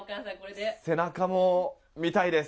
背中も見たいです！